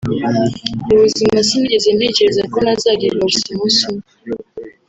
Mu buzima sinigeze ntekereza ko nazadivorca umunsi umwe